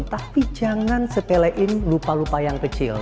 tapi jangan sepelein lupa lupa yang kecil